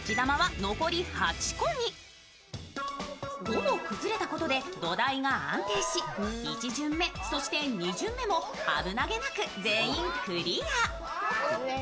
ほぼ崩れたことで度台が安定し、１巡目、そして２巡目も危なげなく全員クリア。